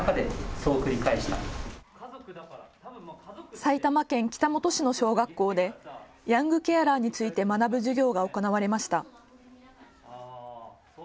埼玉県北本市の小学校でヤングケアラーについて学ぶ授業が行われました。